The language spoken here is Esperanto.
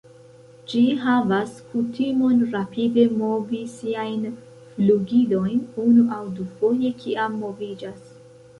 Ĝi havas kutimon rapide movi siajn flugilojn unu aŭ dufoje kiam moviĝas.